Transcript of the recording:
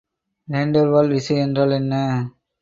வேண்டர்வால் விசை என்றால் என்ன?